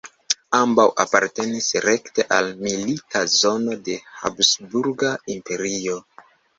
Ambaŭ apartenis rekte al milita zono de Habsburga Imperio.